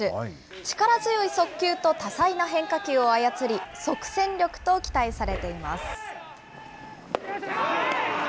力強い速球と多彩な変化球を操り、即戦力と期待されています。